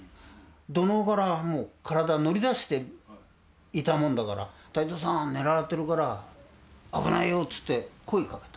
土のうから体乗り出していたもんだから「隊長さん狙われてるから危ないよ」つって声かけた。